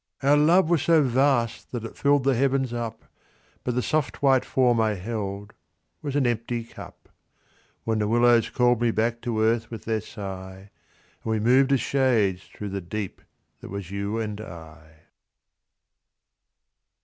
Our love was so vast that it filled the heavens up: But the soft white form I held was an empty cup, When the willows called me back to earth with their sigh, And we moved as shades through the deep that was you and I.